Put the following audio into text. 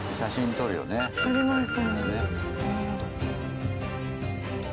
撮ります。